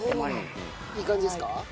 いい感じですか？